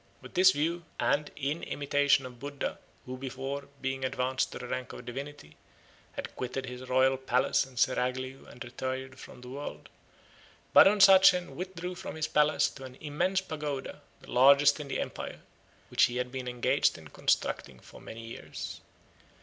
With this view, and in imitation of Buddha, who, before being advanced to the rank of a divinity, had quitted his royal palace and seraglio and retired from the world, Badonsachen withdrew from his palace to an immense pagoda, the largest in the empire, which he had been engaged in constructing for many years.